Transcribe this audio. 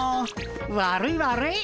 悪い悪い。